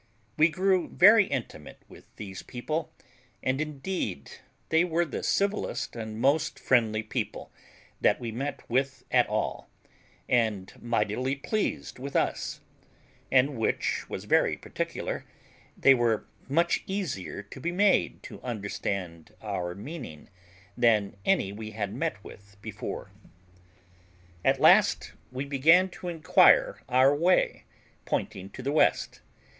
We grew very intimate with these people, and indeed they were the civillest and most friendly people that we met with at all, and mightily pleased with us; and, which was very particular, they were much easier to be made to understand our meaning than any we had met with before. At last we began to inquire our way, pointing to the west.